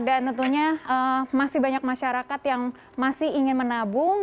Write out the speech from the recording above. tentunya masih banyak masyarakat yang masih ingin menabung